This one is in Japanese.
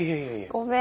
ごめん。